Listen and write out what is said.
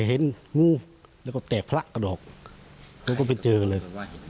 เห็นยุ่งแล้วก็แตกพระดอกก็ไปเจอกันเลย